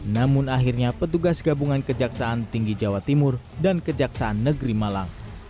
namun akhirnya petugas gabungan kejaksaan tinggi jawa timur dan kejaksaan negeri malang